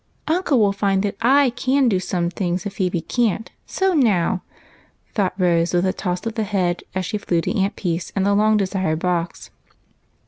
" Uncle will find that I can do some things that Phebe can't ; so now !" thought Rose, with a toss of the head as she flew to Aunt Peace and the long desired box.